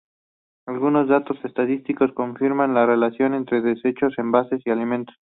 Algunos datos estadísticos confirman la relación entre desechos, envases y alimentos.